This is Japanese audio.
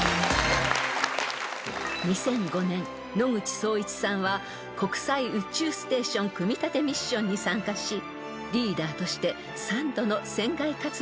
［２００５年野口聡一さんは国際宇宙ステーション組み立てミッションに参加しリーダーとして３度の船外活動を行いました］